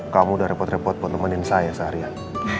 kamu udah repot repot buat nemenin saya seharian